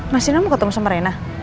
masinu mau ketemu sama rena